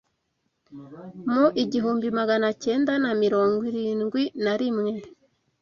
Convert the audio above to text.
Mu igihumbi magacyenda na mirongwirindwi na rimwe